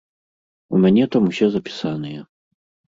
У мяне там усе запісаныя.